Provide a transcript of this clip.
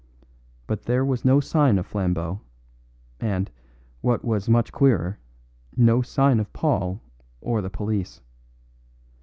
But there was no sign of Flambeau, and, what was much queerer, no sign of Paul or the police.